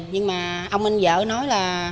nhưng mà ông anh vợ nói là